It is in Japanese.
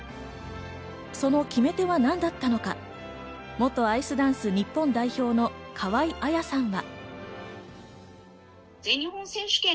その決め手は何だったのか、元アイスダンス日本代表の河合彩さんは。